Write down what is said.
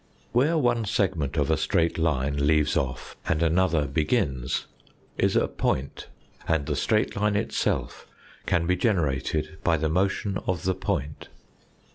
Where one segment of a straight line leaves off and 4 THE FOURTH DIMENSION another begins is a point, and the straight line itself can be generated by the motion of the point.